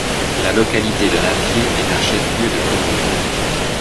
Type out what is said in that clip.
La localité de Napié est un chef-lieu de commune.